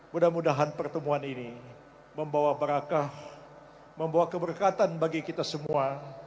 mudah mudahan pertemuan ini membawa barakah membawa keberkatan bagi kita semua